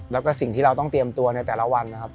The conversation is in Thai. แล้วก็สิ่งที่เราต้องเตรียมตัวในแต่ละวันนะครับ